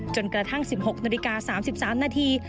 กระทั่ง๑๖นาฬิกา๓๓นาที